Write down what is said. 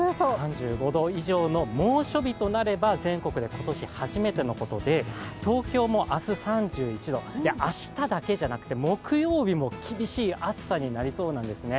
３５度以上の猛暑日となれば全国で今年初めてのことで東京も明日３１度、明日だけじゃなくて、木曜日も厳しい暑さになりそうなんですね。